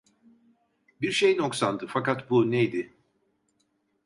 Bir şey noksandı, fakat bu neydi?